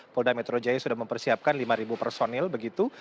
polda metro jaya sudah mempersiapkan lima personil begitu